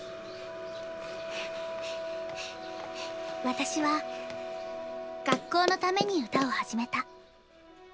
私は学校のために歌を始めた。